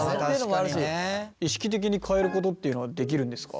意識的に変えることっていうのはできるんですか？